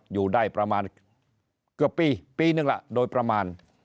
อยู่ได้ประมาณเกือบปีปีนึงล่ะโดยประมาณ